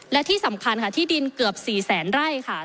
และที่สำคัญค่ะที่ดินเกือบ๔แสนไร่ค่ะ